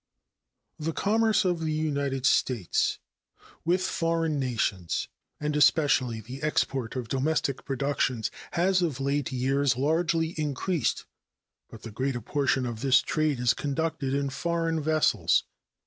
The commerce of the United States with foreign nations, and especially the export of domestic productions, has of late years largely increased; but the greater portion of this trade is conducted in foreign vessels.